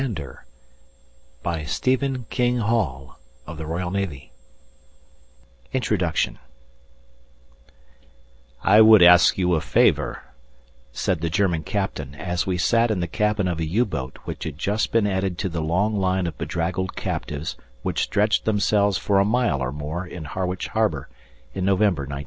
m. the horizon seemed to be ringed with patrols" INTRODUCTION "I would ask you a favour," said the German captain, as we sat in the cabin of a U boat which had just been added to the long line of bedraggled captives which stretched themselves for a mile or more in Harwich Harbour, in November, 1918.